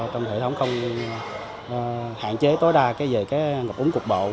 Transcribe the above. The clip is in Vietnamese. trong hệ thống không hạn chế tối đa về ngập úng cục bộ